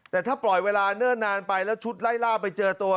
แต่ถ้าปล่อยเวลาเนิ่นนานไปแล้วชุดไล่ล่าไปเจอตัว